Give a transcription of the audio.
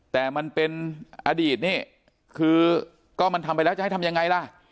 แต่มันเป็นอดีตนี่คือก็มันทำไปแล้วจะให้ทำยังไงล่ะ